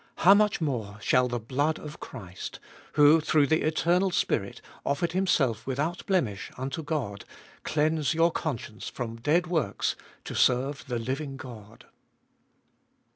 How much more shall the blood of Christ, who through the eternal Spirit offered himself without blemish unto God, cleanse your conscience from dead works to serve the living God?